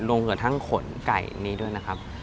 รวมกับทั้งขนไก่อันนี้ด้วยนะครับ